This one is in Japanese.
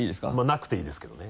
なくていいですけどね。